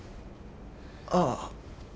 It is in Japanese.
ああ。